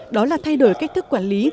đó là thay đổi cách thức quản lý